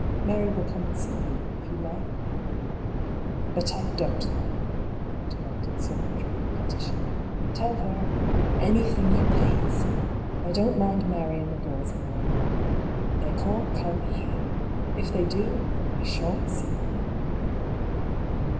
Mary will come and see you, if you like ?" *'But I don't like," interrupted Sir Roderick, pet tishly. " Tell her — anything you please. I don't mind Mary and the girls when I am well. But they can't come here. If they do, I sha'n't see them."